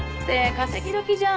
稼ぎ時じゃん。